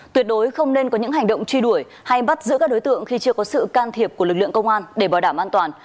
tuyệt đối không nên có những hành động truy đuổi hay bắt giữ các đối tượng khi chưa có sự can thiệp của lực lượng công an để bảo đảm an toàn